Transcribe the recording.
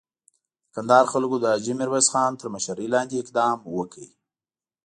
د کندهار خلکو د حاجي میرویس خان تر مشري لاندې اقدام وکړ.